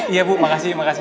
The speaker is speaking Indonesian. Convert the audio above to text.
iya bu makasih makasih